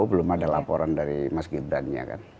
belum ada laporan dari mas gibrannya kan